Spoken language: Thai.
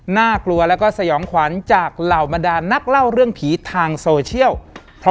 น่ากลัวแล้วก็สยองขวัญจากเหล่าบรรดานนักเล่าเรื่องผีทางโซเชียล